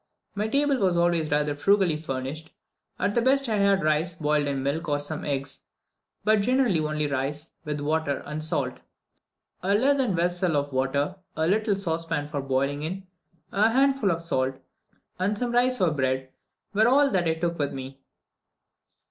My table was always rather frugally furnished: at the best I had rice boiled in milk or some eggs, but generally only rice, with water and salt. A leathern vessel for water, a little saucepan for boiling in, a handful of salt, and some rice and bread, were all that I took with me.